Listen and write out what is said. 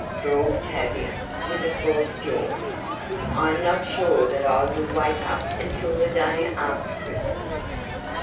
drawled Tavia with a forced yawn. "I am not sure that I will wake up until the day after Christmas."